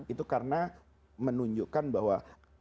itu karena menunjukkan bahwa